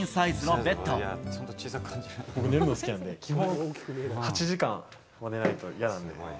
僕、寝るの好きなんで、基本、８時間は寝ないと嫌なんで。